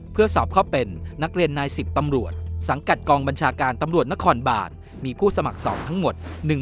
เพื่อสอบเข้าเป็นนักเรียนนาย๑๐ตำรวจสังกัดกองบัญชาการตำรวจนครบานมีผู้สมัครสอบทั้งหมด